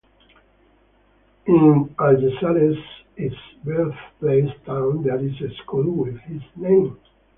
In Algezares, its birthplace town, there is a school with his name.